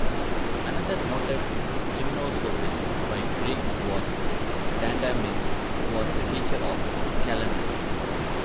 Another noted gymnosophist by Greeks was Dandamis, who was the teacher of Calanus.